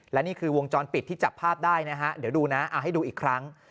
และนี่คือวงจรปิดที่จับภาพได้นะฮะเดี๋ยวดูนะเอาให้ดูอีกครั้ง